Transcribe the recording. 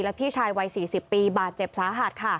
พี่ชายวัย๔๐ปีบาดเจ็บสาหัส